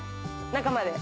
中まで。